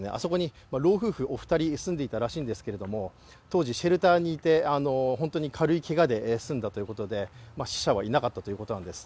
老夫婦２人が住んでいたということなんですが当時、シェルターにいて、本当に軽いけがで済んだということで、死者はいなかったということなんです。